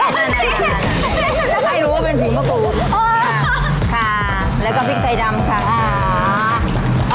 ถ้าใครรู้ว่าเป็นผิวมะขุดอ๋อค่ะแล้วก็พริกใส่ดำค่ะอ่า